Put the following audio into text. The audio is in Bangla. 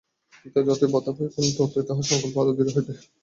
পিতা যতই বাধা পাইবেন, ততই তাঁহার সংকল্প আরো দৃঢ় হইবে।